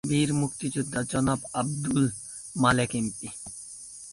বীর মুক্তিযোদ্ধা জনাব আব্দুল মালেক এমপি।